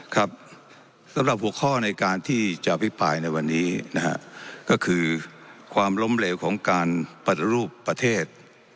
ครับสำหรับหัวข้อในการที่จะอภิปรายในวันนี้นะฮะก็คือความล้มเหลวของการปฏิรูปประเทศ